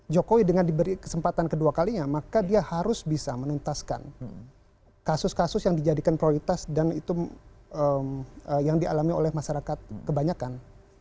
jokowi dengan diberi kesempatan kedua kalinya maka dia harus bisa menuntaskan kasus kasus yang dijadikan prioritas dan itu yang dialami oleh masyarakat kebanyakan